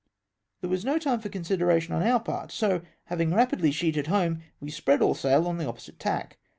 There was no time for consideration on our part, so having rapidly sheeted home, we spread all sail on the opposite tack.